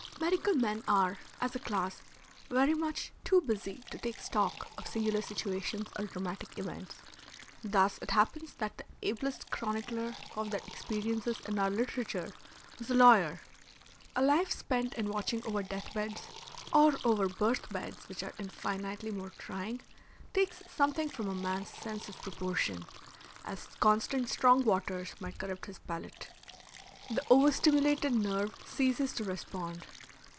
Medical men are, as a class, very much too busy to take stock of singular situations or dramatic events. Thus it happens that the ablest chronicler of their experiences in our literature was a lawyer. A life spent in watching over death beds or over birth beds which are infinitely more trying takes something from a man's sense of proportion, as constant strong waters might corrupt his palate. The overstimulated nerve ceases to respond.